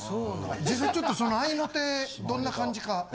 実際ちょっとその合いの手どんな感じか。